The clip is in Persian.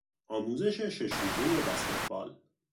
آموزش شش روزهی بسکتبال